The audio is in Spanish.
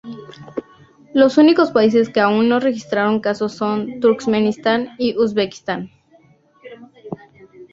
Los únicos países que aún no registraron casos son Turkmenistán y Uzbekistán.